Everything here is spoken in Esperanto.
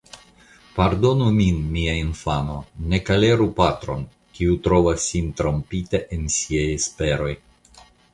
Pardonu min, mia infano; ne koleru patron, kiu trovas sin trompita en siaj esperoj.